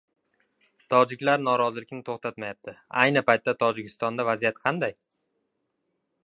Tojiklar norozilikni to‘xtatmayapti: ayni paytda Tojikistonda vaziyat qanday?